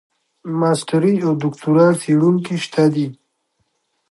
ماسټري او دوکتورا څېړونکي شته دي.